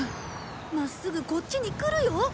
真っすぐこっちに来るよ。